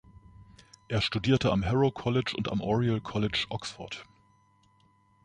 Er studierte am Harrow College und am Oriel College, Oxford.